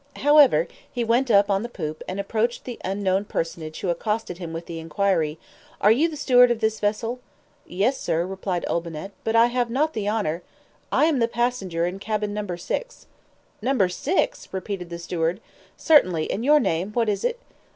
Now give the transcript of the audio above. However, he went up on the poop, and approached the unknown personage, who accosted him with the inquiry, "Are you the steward of this vessel?" "Yes, sir," replied Olbinett; "but I have not the honor of " "I am the passenger in cabin Number 6." "Number 6!" repeated the steward. "Certainly; and your name, what is it?"